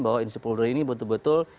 bahwa institusi polri ini betul betul